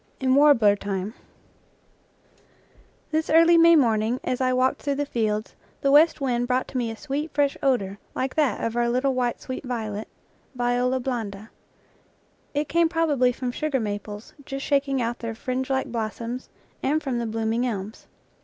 IN WARBLER TIME FT1HIS early May morning, as I walked through I the fields, the west wind brought to me a sweet, fresh odor, like that of our little white sweet violet (Viola blanda). It came probably from sugar maples, just shaking out their fringelike blossoms, and from the blooming elms.